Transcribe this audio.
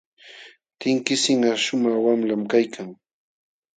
Tinkisinqa shumaq wamlam kaykan.